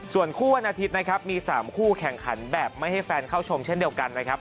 ส่วนคู่วันอาทิตย์นะครับมี๓คู่แข่งขันแบบไม่ให้แฟนเข้าชมเช่นเดียวกันนะครับ